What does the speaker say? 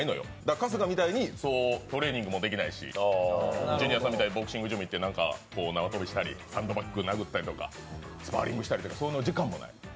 春日みたいにトレーニングもできないし、ジュニアさんみたいにボクシングジムいってサンドバック殴ったりとかスパーリングしたりとかそんな時間もない。